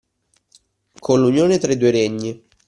Con l’unione tra i due regni